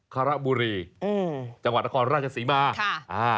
คารบุรีจังหวัดนครราชสีมา